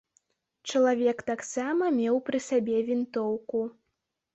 Чалавек таксама меў пры сабе вінтоўку.